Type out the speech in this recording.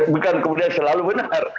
bukan kemudian selalu benar